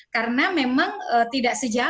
karena memang tidak sejauhnya